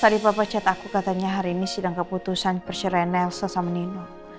tadi papa chat aku katanya hari ini sedang keputusan persyirahin elsa sama nino